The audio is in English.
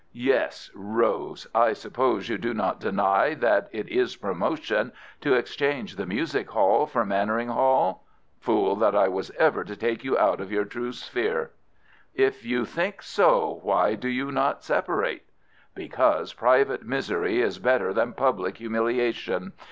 "Yes, rose. I suppose you do not deny that it is promotion to exchange the music hall for Mannering Hall. Fool that I was ever to take you out of your true sphere!" "If you think so, why do you not separate?" "Because private misery is better than public humiliation.